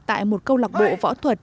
tại một câu lạc bộ võ thuật